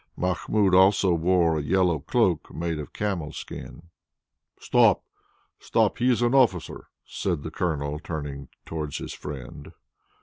Mahmoud also wore a yellow cloak made of camel skin. "Stop! Stop! he is an officer," said the Colonel, turning towards his friend.